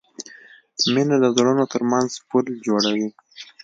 مینه د زړونو ترمنځ پُل جوړوي.